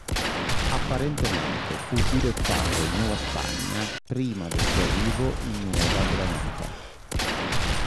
Apparentemente fu dirottato in Nuova Spagna prima del suo arrivo in Nuova Granada.